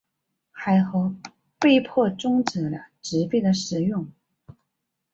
海合都被迫中止了纸币的使用。